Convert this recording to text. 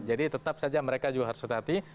jadi tetap saja mereka juga harus hati hati